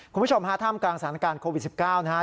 คุณผู้ชมฮะท่ามกลางสถานการณ์โควิด๑๙นะครับ